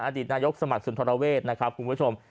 อดีตนายกสมัครสุนทรเวศนะครับคุณผู้ชม